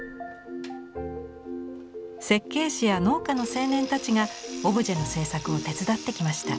設計士や農家の青年たちがオブジェの制作を手伝ってきました。